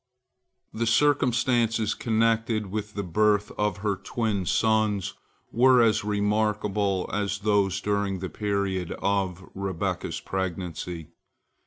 " The circumstances connected with the birth of her twin sons were as remarkable as those during the period of Rebekah's pregnancy.